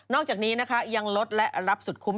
อกจากนี้นะคะยังลดและรับสุดคุ้ม